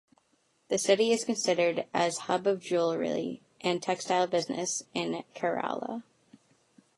The city is considered as hub of jewellery and textile business in Kerala.